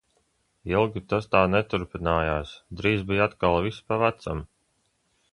Ilgi tas tā neturpinājās, drīz bija atkal viss pa vecam.